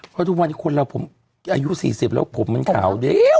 เพราะทุกวันนี้คนเราผมอายุ๔๐แล้วผมมันขาวเด้ว